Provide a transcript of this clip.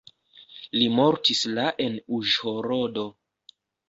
Li mortis la en Uĵhorodo.